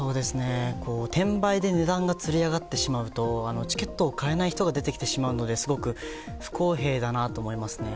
転売で値段がつり上がってしまうとチケットを買えない人が出てきてしまうので不公平だなと思います。